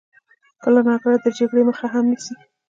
کله ناکله د جګړې مخه هم نیسي.